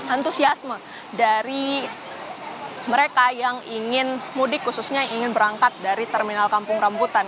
antusiasme dari mereka yang ingin mudik khususnya ingin berangkat dari terminal kampung rambutan